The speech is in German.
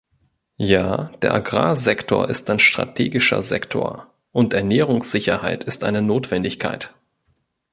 Ja, der Agrarsektor ist ein strategischer Sektor, und Ernährungssicherheit ist eine Notwendigkeit.